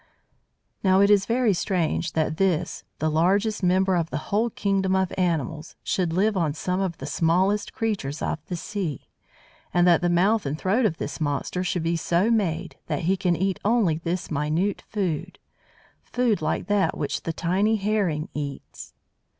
Now it is very strange that this, the largest member of the whole kingdom of animals, should live on some of the smallest creatures of the sea, and that the mouth and throat of this monster should be so made that he can eat only this minute food, food like that which the tiny Herring eats.